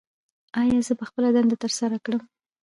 ایا زه به خپله دنده ترسره کړم؟